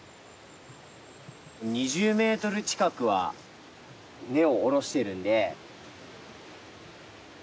２０メートル近くは根を下ろしてるんで。